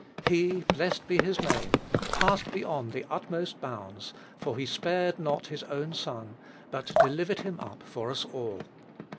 He, blessed be his name, passed beyond the utmost bounds, for "he spared not his own Son, but delivered him up for us all."